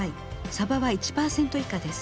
サバは１％以下です。